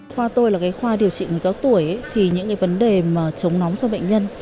khoa tôi là khoa điều trị người có tuổi thì những vấn đề chống nóng cho bệnh nhân